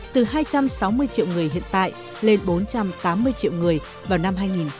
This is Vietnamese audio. từ hai trăm sáu mươi triệu người hiện tại lên bốn trăm tám mươi triệu người vào năm hai nghìn hai mươi